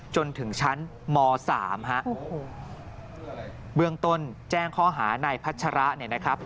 จนถึงชั้นม๓บริเวณต้นแจ้งข้อหาในพัชระ